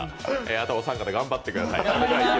あとお三方頑張ってください。